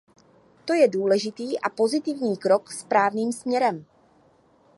To je důležitý a pozitivní krok správným směrem.